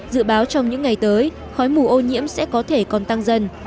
dự báo trong những ngày tới khói mù ô nhiễm sẽ có thể còn tăng dần